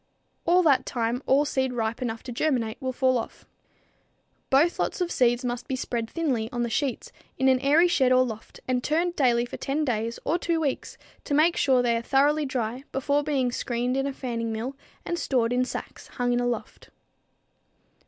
At that time all seed ripe enough to germinate will fall off. Both lots of seed must be spread thinly on the sheets in an airy shed or loft and turned daily for 10 days or two weeks to make sure they are thoroughly dry before being screened in a fanning mill and stored in sacks hung in a loft.